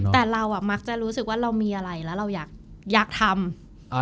แต่เราอ่ะมักจะรู้สึกว่าเรามีอะไรแล้วเราอยากทำ